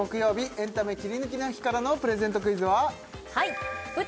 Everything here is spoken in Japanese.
エンタメキリヌキの日からのプレゼントクイズははい舞台